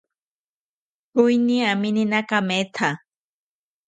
Choeni aminana kametha